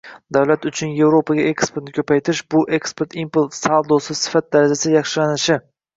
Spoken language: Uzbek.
Davlat uchun Yevropaga eksportni ko‘paytirish — bu eksport-import saldosi sifat darajasi yaxshilanishi